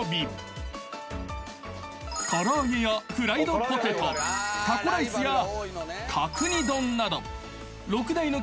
［唐揚げやフライドポテトタコライスや角煮丼など］